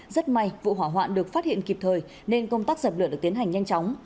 rất may vụ hỏa hoạn được phát hiện kịp thời nên công tác dập lửa được tiến hành nhanh chóng